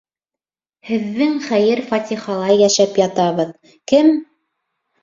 — Һеҙҙең хәйер-фатихала йәшәп ятабыҙ, кем...